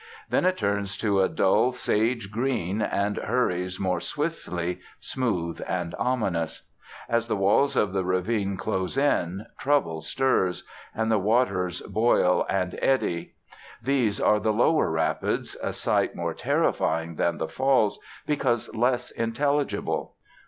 Then it turns to a dull sage green, and hurries more swiftly, smooth and ominous. As the walls of the ravine close in, trouble stirs, and the waters boil and eddy. These are the lower rapids, a sight more terrifying than the Falls, because less intelligible.